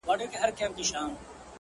د زړگي هيله چي ستۍ له پېغلتوبه وځي-